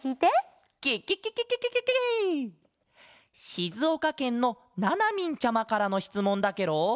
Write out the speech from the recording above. しずおかけんのななみんちゃまからのしつもんだケロ！